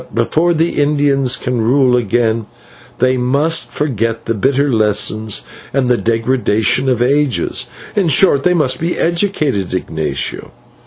"Before the Indians can rule again, they must forget the bitter lessons and the degradation of ages; in short, they must be educated, Ignatio.